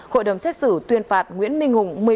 hội đồng xét xử tuyên phạt nguyễn minh hùng